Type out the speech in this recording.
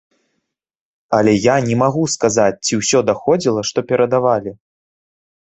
Але я не магу сказаць, ці ўсё даходзіла, што перадавалі.